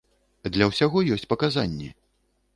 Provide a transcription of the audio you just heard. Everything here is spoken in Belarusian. Для ўсяго ёсць паказанні.